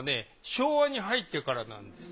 昭和に入ってからなんです。